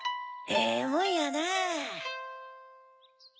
ええもんやなぁ。